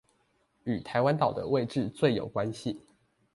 與台灣島的位置最有關係